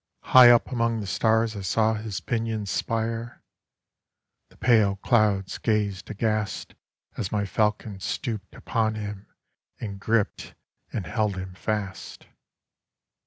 High up among the stars I saw his pinions spire. The pale clouds gazed aghastAs my falcon stooped upon him, and gript and held him fast.